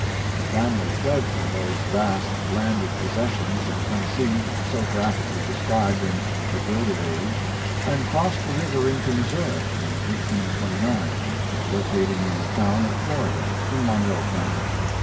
The family fled from those vast landed possessions in Ten nessee, so graphically described in "The Gilded Age," and crossed the river into Missouri in 1829, locating in the town of Florida, in Monroe count)^.